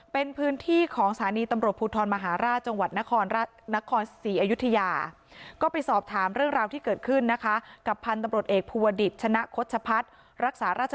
เป็นพื้นที่ของสถานีตำรวจภูทรมหาราช